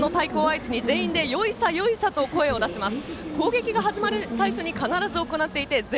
野球部の太鼓を合図に全員でよいさ、よいさと声を出します。